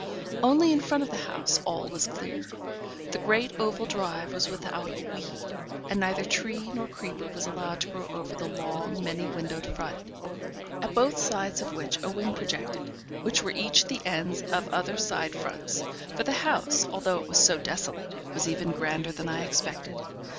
Only in front of the house all was clear. The great oval drive was without a weed; and neither tree nor creeper was allowed to grow over the long, many windowed front; at both sides of which a wing protected, which were each the ends of other side fronts; for the house, although it was so desolate, was even grander than I expected.